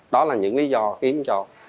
đó là những lý do kiếm cho